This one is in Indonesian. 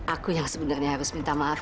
aku yang sebenarnya harus minta maaf